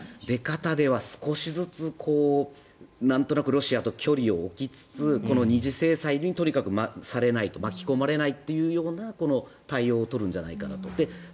出方では少しずつ、なんとなくロシアと距離を置きつつこの二次制裁をとにかくされない巻き込まれないという対応を取るんじゃないかと。